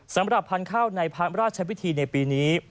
สำหรับพันธุ์ข้าวในพระราชวิธีในปีนี้